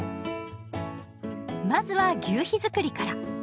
まずは求肥づくりから。